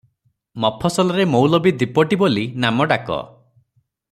ମଫସଲରେ ମୌଲବୀ ଦିପୋଟି ବୋଲି ନାମ ଡାକ ।